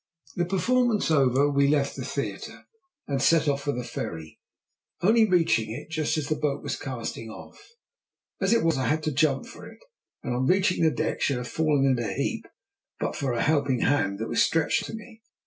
The performance over, we left the theatre, and set off for the ferry, only reaching it just as the boat was casting off. As it was I had to jump for it, and on reaching the deck should have fallen in a heap but for a helping hand that was stretched out to me.